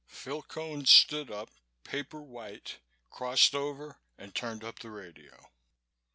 Phil Cone stood up, paper white, crossed over and turned up the radio.